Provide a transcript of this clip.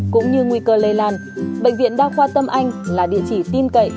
cũng như nguy cơ lây lan bệnh viện đa khoa tâm anh là địa chỉ tin cậy